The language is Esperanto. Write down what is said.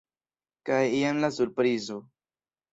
Kaj jen la surprizo!